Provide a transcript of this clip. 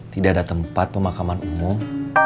tidak ada tempat pemakaman umum